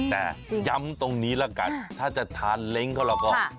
แต่ย้ำตรงนี้ละกันถ้าจะทานเล้งเขาเราก็